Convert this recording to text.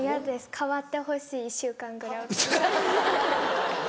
代わってほしい１週間ぐらい。